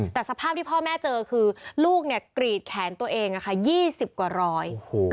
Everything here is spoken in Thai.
แต่สภาพที่พ่อแม่เจอคือลูกกรีดแขนตัวเอง๒๐กว่ารอย